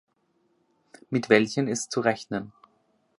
Mit welchen ist zu rechnen?